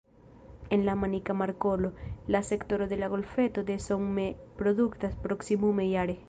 En la Manika Markolo, la sektoro de la Golfeto de Somme produktas proksimume jare.